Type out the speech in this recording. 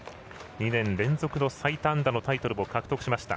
２年連続の最多安打のタイトルも獲得しました。